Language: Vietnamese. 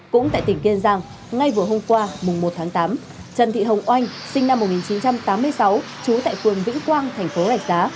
cũng tại tỉnh kiên giang ngay vừa hôm qua mùng một tháng tám trần thị hồng oanh sinh năm một nghìn chín trăm tám mươi sáu chú tại quận vĩ quang thành phố lạch giá